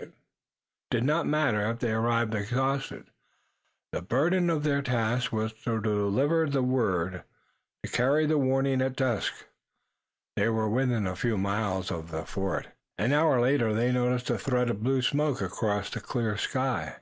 It did not matter now if they arrived exhausted. The burden of their task was to deliver the word, to carry the warning. At dusk, they were within a few miles of the fort. An hour later they noticed a thread of blue smoke across the clear sky.